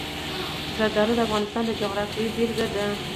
زردالو د افغانستان د جغرافیې بېلګه ده.